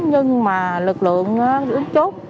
nhưng mà lực lượng ước chốt